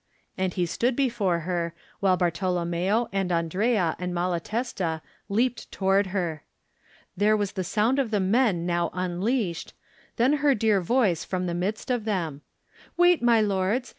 and he stood before her while Bartolommeo and Andrea 72 Digitized by Google THE NINTH MAN and MaJatesta leaped toward her. There was the sound of the men now unleashed, then her dear voice from the midst of them: "Wait, my lords.